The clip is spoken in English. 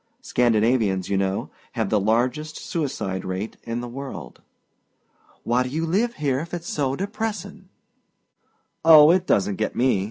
Scandinavians, you know, have the largest suicide rate in the world." "Why do you live here if it's so depressing?" "Oh, it doesn't get me.